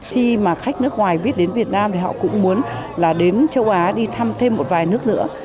khi mà khách nước ngoài biết đến việt nam thì họ cũng muốn là đến châu á đi thăm thêm một vài nước nữa